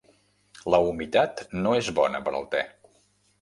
La humitat no és bona per al te.